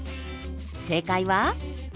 正解は。